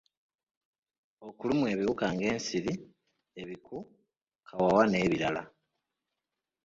Okulumwa ebiwuka ng’ensiri, ebiku, kawawa n’ebirala.